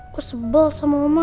aku sebel sama mama